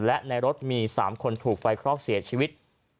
และในรถมี๓คนถูกไฟคลอกเสียชีวิต